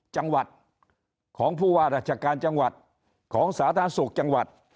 จังหวัดของผู้ว่าราชการจังหวัดของสาธารณสุขจังหวัด